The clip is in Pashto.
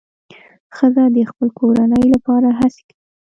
ښځه د خپل کورنۍ لپاره هڅې کوي.